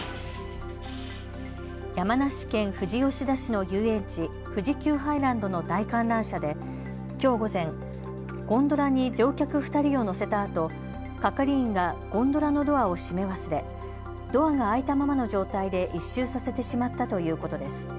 山梨県富士吉田市の遊園地、富士急ハイランドの大観覧車できょう午前、ゴンドラに乗客２人を乗せたあと係員がゴンドラのドアを閉め忘れドアが開いたままの状態で１周させてしまったということです。